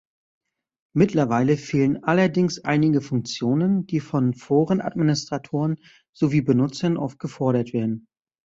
Mittlerweile fehlen allerdings einige Funktionen, die von Foren-Administratoren sowie Benutzern oft gefordert werden.